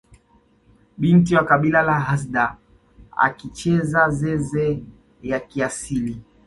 Binti wa kabila la hadza akicheza zeze ya kiasili